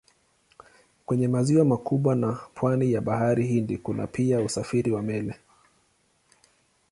Kwenye maziwa makubwa na pwani ya Bahari Hindi kuna pia usafiri wa meli.